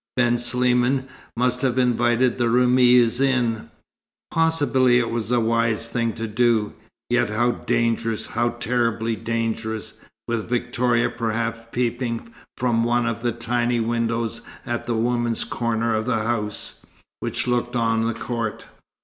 Ben Sliman must have invited the Roumis in. Possibly it was a wise thing to do, yet how dangerous, how terribly dangerous, with Victoria perhaps peeping from one of the tiny windows at the women's corner of the house, which looked on the court!